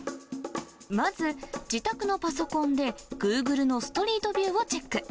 まず自宅のパソコンで、グーグルのストリートビューをチェック。